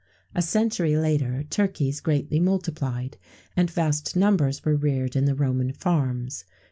[XVII 107] A century later, turkeys greatly multiplied, and vast numbers were reared in the Roman farms.